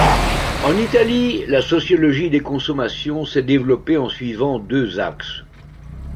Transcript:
En Italie, la sociologie des consommations s'est développée en suivant deux axes.